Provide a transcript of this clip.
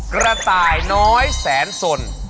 กระต่ายน้อยแสนสน